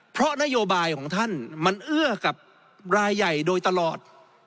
เพราะนโยบายของท่านมันเอื้อกับรายใหญ่โดยตลอด